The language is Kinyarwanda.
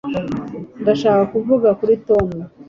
ndashaka kuvuga kuri tom